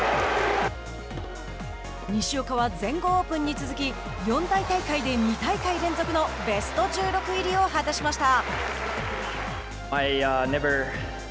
西岡は全豪オープンに続き四大大会で２大会連続のベスト１６入りを果たしました。